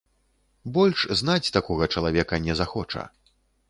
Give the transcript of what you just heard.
Больш знаць такога чалавека не захоча.